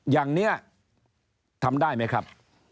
อย่างนี้ทำได้ไหมครับ